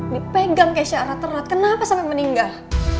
dipegang keisha raterat kenapa sampai meninggal